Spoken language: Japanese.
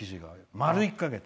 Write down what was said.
丸１か月。